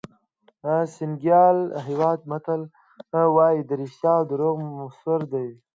د سینیګال هېواد متل وایي رښتیا او دروغ موثر دي.